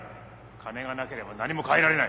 金がなければ何も変えられない